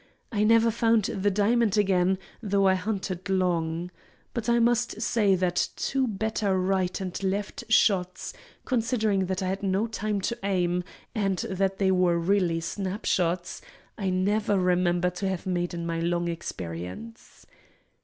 I never found the diamond again, though I hunted long. But I must say that two better right and left shots, considering that I had no time to aim, and that they were really snapshots, I never remember to have made in my long experience.